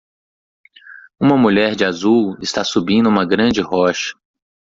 Uma mulher de azul está subindo uma grande rocha